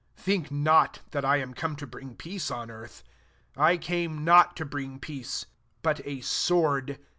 34 "Think not that I m come to bring peace on ear^ : I came, not to bring peace, biit a sword.